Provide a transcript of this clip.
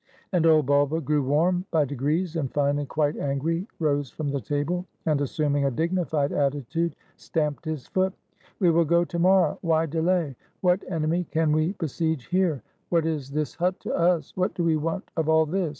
And old Bulba grew warm by de grees; and, finally, quite angry, rose from the table, and, assuming a dignified attitude, stamped his foot. "We will go to morrow! Why delay? What enemy can we besiege here? What is this hut to us? What do we want of all this?